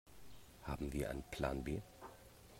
Haben wir einen Plan B?